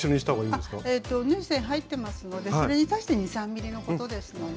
縫い線入ってますのでそれに足して２３ｍｍのことですので。